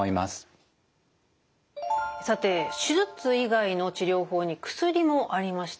さて手術以外の治療法に薬もありました。